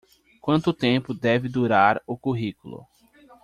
Quanto tempo deve durar o currículo?